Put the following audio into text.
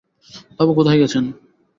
বাবু কোথায় গেছেন?